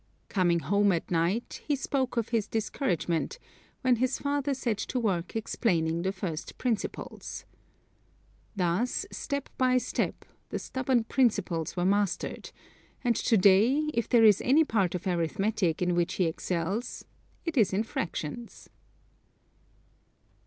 Coming home at night, he spoke of his discouragement, when his father set to work explaining the first principles. Thus, step by step, the stubborn principles were mastered, and to day, if there is any part of Arithmetic in which he excels it is in Fractions.